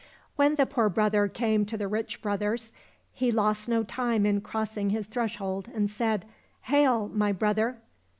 When the poor brother came to the rich brother's, he lost no time in crossing his threshold, and said, " Hail, my brother